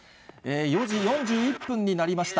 ４時４１分になりました。